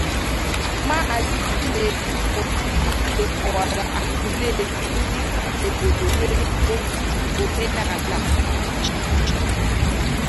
Maazị Chinedu Obidigwe kọwàrà Agụleri dịka obodo nwere ọtụtụ omenala dị iche iche